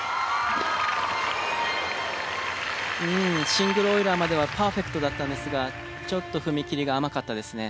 シングルオイラーまではパーフェクトだったんですがちょっと踏み切りが甘かったですね。